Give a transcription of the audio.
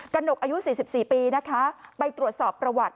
หนกอายุ๔๔ปีนะคะไปตรวจสอบประวัติ